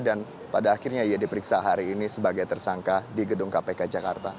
dan pada akhirnya dia diperiksa hari ini sebagai tersangka di gedung kpk jakarta